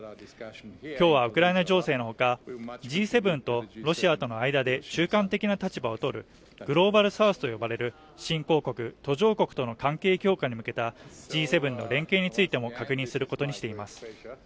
今日はウクライナ情勢の他、Ｇ７とロシアとの間で中間的な立場をとるグローバルサウスと呼ばれる新興国、途上国との関係強化に向けたＧ７の連携についても確認することにしています。